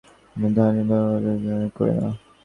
আমরা ধনী বা বড়লোককে গ্রাহ্য করি না।